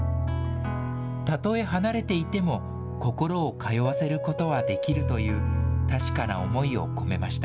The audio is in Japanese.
例え離れていても、心を通わせることはできるという、確かな思いを込めました。